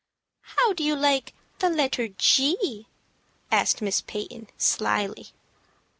"How do you like the letter G?" asked Miss Peyton, slyly.